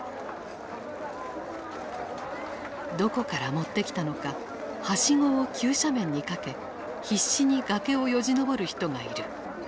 どこから持ってきたのかはしごを急斜面にかけ必死に崖をよじ登る人がいる。